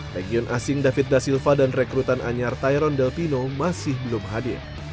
legion asing david da silva dan rekrutan anyar tyron delpino masih belum hadir